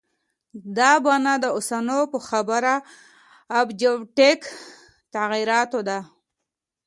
دا بنا د اوسنو په خبره آبجکټیف تغییراتو ده.